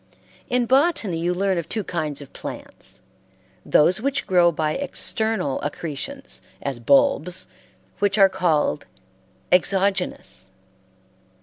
In botany you learn of two kinds of plants those which grow by external accretions, as bulbs, which, are called exogenous?